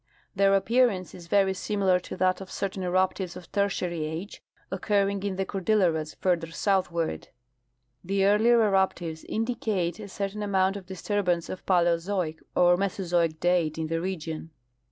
Their appearance is very similar to that of certain eruptives of Tertiary age occurring in the Cordilleras further south Avard. The earlier eruj^tives indicate a certain amount of disturbance of Paleozoic or Mesozoic date in the region.